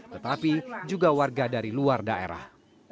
tetapi juga warga dari luar daerah